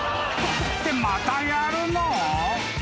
［ってまたやるの？］